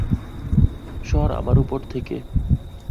সর আমার উপর থেকে।